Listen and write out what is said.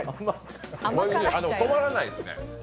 止まらないですね。